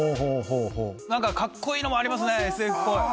何かカッコいいのもありますね。